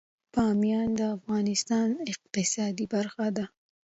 بامیان د افغانستان د اقتصاد برخه ده.